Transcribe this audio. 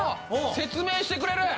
説明してくれる。